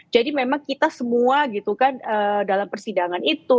jadi memang kita semua gitu kan dalam persidangan itu